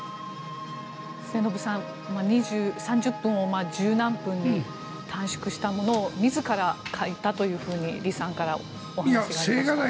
末延さん、３０分を１０何分に短縮したものを自ら書いたと李さんからお話がありましたが。